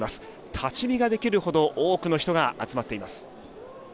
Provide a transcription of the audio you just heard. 立ち見ができるほど多くの人が集まっています。